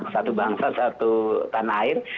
satu bangsa satu tanah air